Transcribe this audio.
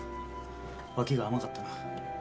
脇が甘かったな。